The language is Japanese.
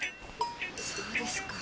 そうですか。